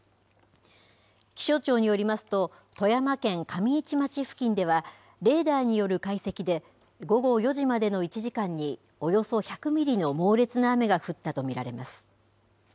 気象庁によりますと、富山県上市町付近では、レーダーによる解析で、午後４時までの１時間に、およそ１００ミリの猛烈な雨が降ったと見られます。